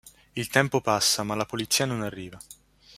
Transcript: Il tempo passa, ma la polizia non arriva.